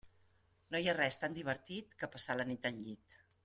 No hi ha res tan divertit que passar la nit al llit.